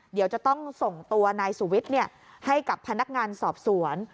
เดี๋ยวจะต้องส่งตัวนายสุวิทย์ให้กับพนักงานสอบสวน